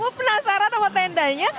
prabu penasaran sama tendanya